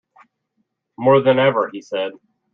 "More than ever," he said.